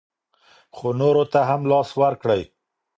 خو نورو ته هم لاس ورکړئ.